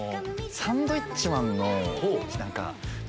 サンドウィッチマン。